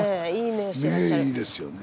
目いいですよね。